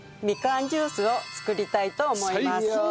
みかんジュースを作りたいと思います。